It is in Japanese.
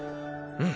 うん。